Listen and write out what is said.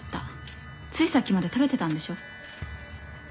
ついさっきまで食べてたんでしょう？